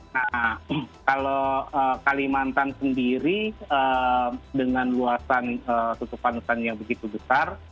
nah kalau kalimantan sendiri dengan luasan tutupan hutan yang begitu besar